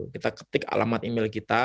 kita ketik alamat email kita